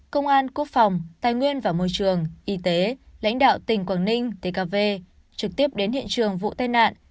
công an quốc phòng tài nguyên và môi trường y tế lãnh đạo tỉnh quảng ninh tkv trực tiếp đến hiện trường vụ tai nạn